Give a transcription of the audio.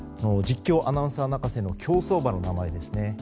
実況アナウンサー泣かせの競走馬の名前ですね。